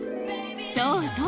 そうそう！